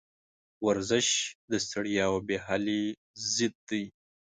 ورزش د ستړیا او بېحالي ضد دی.